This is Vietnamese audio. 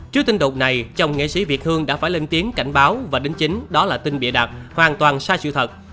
trước tin đồn này chồng nghệ sĩ việt hương đã phải lên tiếng cảnh báo và đính chính đó là tin bịa đặt hoàn toàn sai sự thật